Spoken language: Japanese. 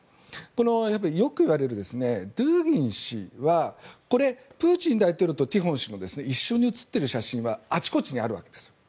この、よくいわれるドゥーギン氏はプーチン大統領とティホン氏が一緒に写ってる写真はあちこちにあるわけです。